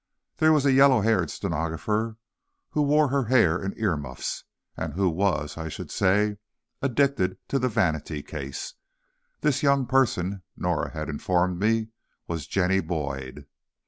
There was a yellow haired stenographer, who wore her hair in ear muffs, and who was, I should say, addicted to the vanity case. This young person, Norah had informed me, was Jenny Boyd.